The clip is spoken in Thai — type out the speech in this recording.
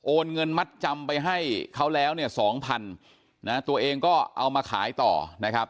เงินมัดจำไปให้เขาแล้วเนี่ยสองพันนะตัวเองก็เอามาขายต่อนะครับ